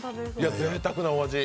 ぜいたくなお味。